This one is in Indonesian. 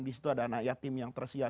di situ ada anak yatim yang tersiar